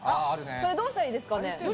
それどうしたらいいですかね？